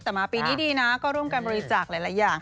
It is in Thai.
แต่มาปีนี้ดีนะก็ร่วมกันบริจาคหลายอย่าง